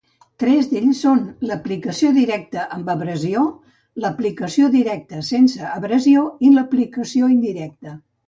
Tres d'ells són l'aplicació directa amb abrasió, l'aplicació directa sense abrasió i l'aplicació indirecta.